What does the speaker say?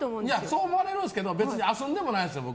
そう思われるんですけど別に遊んでもないんですよ。